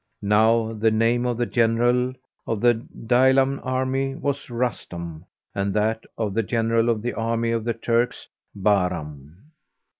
Now the name of the General of the Daylam army was Rustam and that of the General of the army of the Turks[FN#383] Bahram.